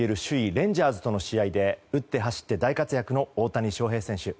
レンジャーズとの試合で打って走って大活躍の大谷翔平選手。